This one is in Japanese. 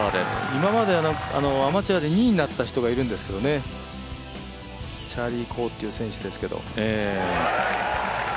今までアマチュアで２位になった人がいるんですけど、チャーリー・コーという選手ですけど。